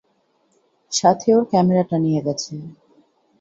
সাথে ওর ক্যামেরাটা নিয়ে গেছে।